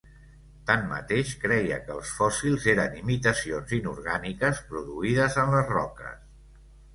Tanmateix creia que els fòssils eren imitacions inorgàniques produïdes en les roques.